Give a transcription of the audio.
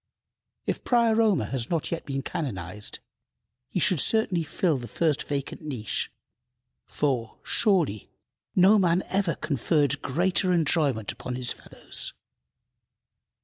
If Prior Omer has not yet been canonized, he should certainly fill the first vacant niche, for, surely, no man ever conferred greater enjoyment upon his fellows.